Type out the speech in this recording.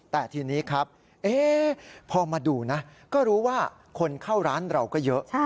แต่ทีนี้ครับพอมาดูนะก็รู้ว่าคนเข้าร้านเราก็เยอะ